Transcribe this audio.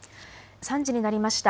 ３時になりました。